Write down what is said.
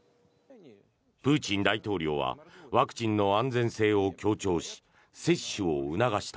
プーチン大統領はワクチンの安全性を強調し接種を促した。